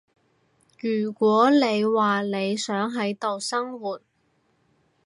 如果你話你想喺度生活